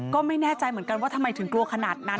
ก็ไม่แน่ใจเหมือนกันว่าทำไมถึงกลัวขนาดนั้น